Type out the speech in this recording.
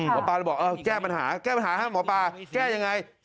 หมอปลาเลยบอกเออแก้ปัญหาแก้ปัญหาให้หมอปลาแก้ยังไง